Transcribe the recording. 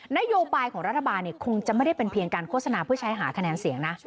นโยบายของรัฐบาลคงจะไม่ได้เป็นเพียงการโฆษณาเพื่อใช้หาคะแนนเสียงนะ